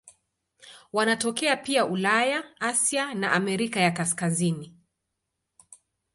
Wanatokea pia Ulaya, Asia na Amerika ya Kaskazini.